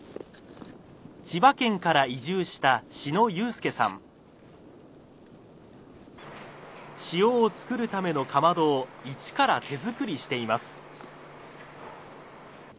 千葉県から移住した塩をつくるためのかまどを一から手作りしています。